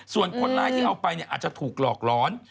ส่วนคนร้ายที่เอาไปอาจจะถูกหลอกร้อน